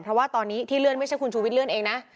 เพราะว่าตอนนี้ที่เลื่อนไม่ใช่คุณชูวิทเลื่อนเองนะ